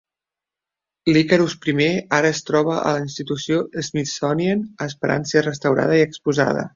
L'Icarus I ara es troba a la institució Smithsonian esperant ser restaurada i exposada.